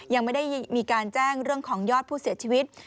ยังไม่ได้มีการแจ้งเรื่องของยอดผู้เสียชีวิต